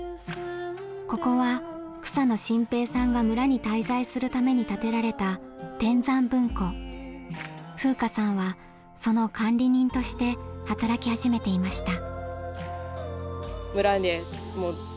ここは草野心平さんが村に滞在するために建てられた風夏さんはその管理人として働き始めていました。